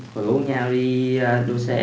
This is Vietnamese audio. phụ nhau đi đua xe